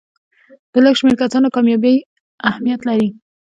د لږ شمېر کسانو کامیابي اهمیت لري.